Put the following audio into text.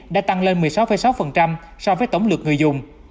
đã tăng lên một mươi sáu sáu so với tổng lượt người dùng